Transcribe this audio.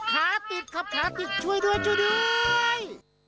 ขาติดขับขาติดช่วยด้วยช่วยด้วย